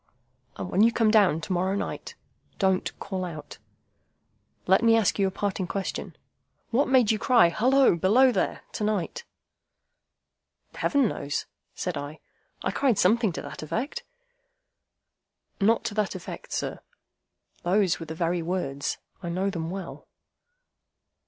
"And when you come down to morrow night, don't call out! Let me ask you a parting question. What made you cry, 'Halloa! Below there!' to night?" "Heaven knows," said I. "I cried something to that effect—" "Not to that effect, sir. Those were the very words. I know them well."